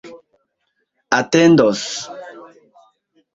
atendos